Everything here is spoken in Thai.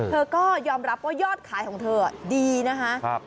เธอก็ยอมรับว่ายอดขายของเธอดีนะคะ